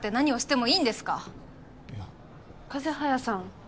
風早さん。